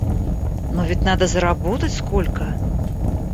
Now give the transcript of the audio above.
Но ведь надо заработать сколько!